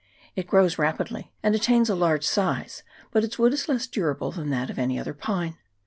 It grows rapidly, and attains a large size, but its wood is less durable than that of any other pine.